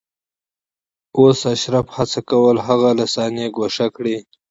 اوس اشرافو هڅه کوله هغوی له صحنې ګوښه کړي